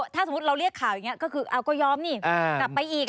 ถ้าสมมุติเราเรียกข่าวอย่างนี้ก็คือเอาก็ยอมนี่กลับไปอีก